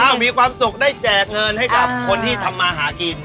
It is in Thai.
มีความสุขได้แจกเงินให้กับคนที่ทำมาหากิน